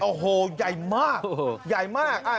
โอ้โหใหญ่มากใหญ่มาก